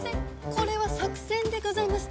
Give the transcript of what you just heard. これは作戦でございまして。